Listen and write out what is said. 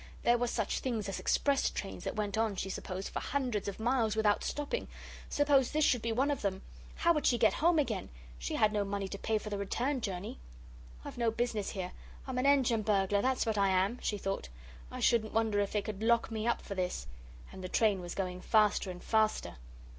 There were such things as express trains that went on, she supposed, for hundreds of miles without stopping. Suppose this should be one of them? How would she get home again? She had no money to pay for the return journey. "And I've no business here. I'm an engine burglar that's what I am," she thought. "I shouldn't wonder if they could lock me up for this." And the train was going faster and faster.